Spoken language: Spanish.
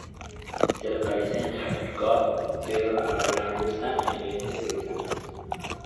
Se localiza en Járkov, ciudad de habla rusa en el este de Ucrania.